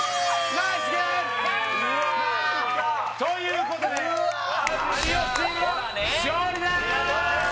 ナイスゲームということで有吉チームの勝利です